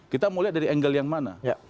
kita mau lihat dari angle yang mana